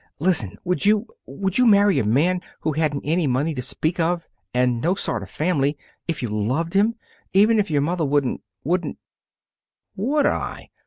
"Listen! Would you would you marry a man who hadn't any money to speak of, and no sort of family, if you loved him, even if your mother wouldn't wouldn't " "Would I!